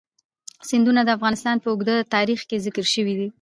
سیندونه د افغانستان په اوږده تاریخ کې ذکر شوی دی.